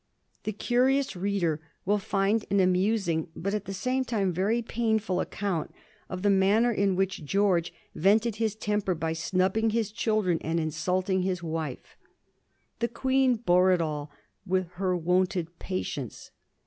The curious reader will find an amusing, but at the same time very painful, account of the manner in which George vented his temper by snubbing his children and insulting his wife. The Queen bore it all with her wonted patience.